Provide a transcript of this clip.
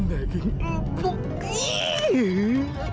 daging empuk ini